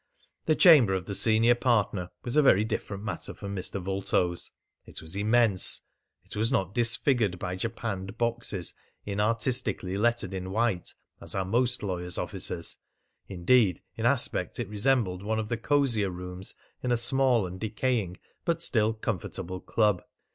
The chamber of the senior partner was a very different matter from Mr. Vulto's. It was immense. It was not disfigured by japanned boxes inartistically lettered in white, as are most lawyers' offices. Indeed, in aspect it resembled one of the cosier rooms in a small and decaying but still comfortable club.